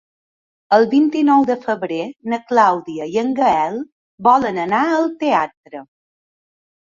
El vint-i-nou de febrer na Clàudia i en Gaël volen anar al teatre.